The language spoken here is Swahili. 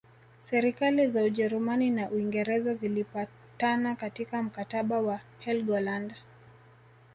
Serikali za Ujerumani na Uingereza zilipatana katika mkataba wa Helgoland